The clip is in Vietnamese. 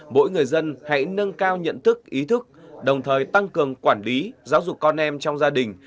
mỗi người dân hãy nâng cao nhận thức ý thức đồng thời tăng cường quản lý giáo dục con em trong gia đình